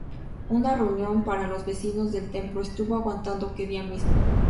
Una reunión para los vecinos del templo estuvo aguantado que día mismo.